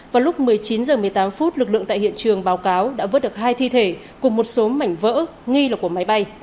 vào lúc một mươi chín h một mươi tám phút lực lượng tại hiện trường báo cáo đã vớt được hai thi thể cùng một số mảnh vỡ nghi là của máy bay